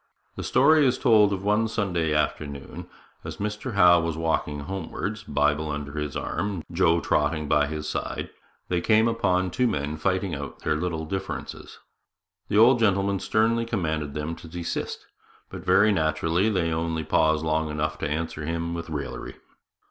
The story is told that one Sunday afternoon, as Mr Howe was walking homewards, Bible under his arm, Joe trotting by his side, they came upon two men fighting out their little differences. The old gentleman sternly commanded them to desist, but, very naturally, they only paused long enough to answer him with raillery.